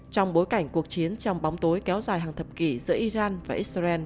trong bối cảnh cuộc chiến trong bóng tối kéo dài hàng thập kỷ giữa iran và israel